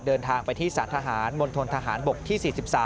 เดินทางไปที่สารทหารมณฑนทหารบกที่๔๓